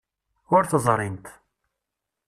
Ur t-ẓrint.